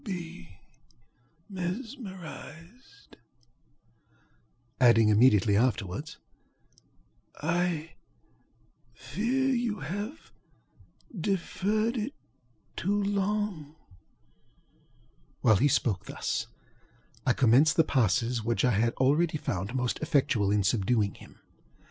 I fear you have mesmerizedŌĆØŌĆöadding immediately afterwards: ŌĆ£I fear you have deferred it too long. ŌĆØ While he spoke thus, I commenced the passes which I had already found most effectual in subduing him.